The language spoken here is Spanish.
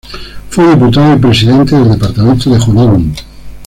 Fue Diputado y presidente del departamento de Junín.